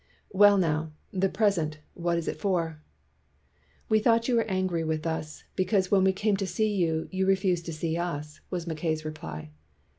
"Well now, the present, what is it for?" "We thought you were angry with us, be cause when we came to see you, you refused to see us," was Mackay 's reply.